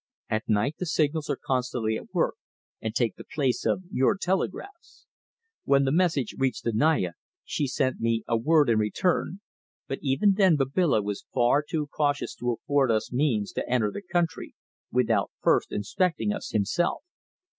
At night the signals are constantly at work and take the place of your telegraphs. When the message reached the Naya she sent me a word in return, but even then Babila was far too cautious to afford us means to enter the country without first inspecting us himself."